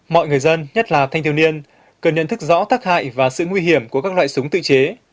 mọi người dân nhất là thanh thiếu niên cần nhận thức rõ tác hại và sự nguy hiểm của các loại súng tự chế